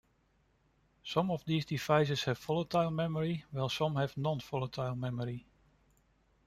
Some of these devices have volatile memory while some have non-volatile memory.